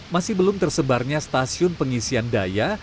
masih belum tersebarnya stasiun pengisian daya